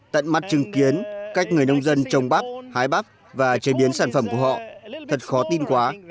tận mắt chứng kiến cách người nông dân trồng bắp hái bắp và chế biến sản phẩm của họ thật khó tin quá